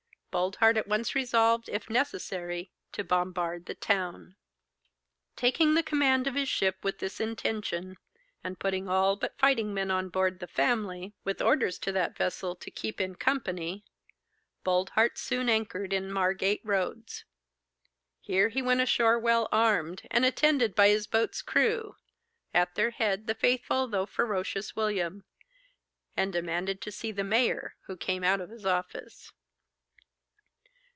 Boldheart at once resolved, if necessary, to bombard the town. Taking the command of his ship with this intention, and putting all but fighting men on board 'The Family,' with orders to that vessel to keep in company, Boldheart soon anchored in Margate Roads. Here he went ashore well armed, and attended by his boat's crew (at their head the faithful though ferocious William), and demanded to see the mayor, who came out of his office.